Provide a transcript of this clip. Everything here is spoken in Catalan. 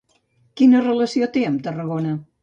Quina relació té amb Tarragona?